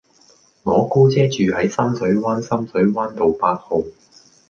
我姑姐住喺深水灣深水灣道八號